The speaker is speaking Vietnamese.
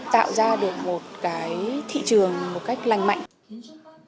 tạo ra được một cái thị trường một cách lành mạnh